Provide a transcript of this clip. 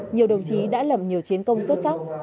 nhiều đồng chí đã lập nhiều chiến công xuất sắc